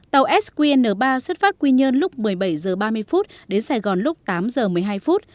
tàu sqn ba xuất phát tại quy nhơn lúc một mươi bảy h ba mươi đến sài gòn lúc tám h một mươi hai